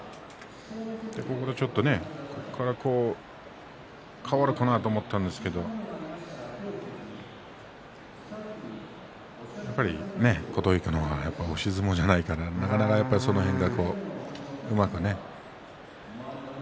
ここでちょっと、ここからこう変わるかなと思ったんですけどやっぱり、琴恵光の方は押し相撲じゃないからなかなかその辺はうまく。